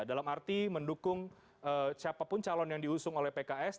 dalam arti mendukung siapapun calon yang diusung oleh pks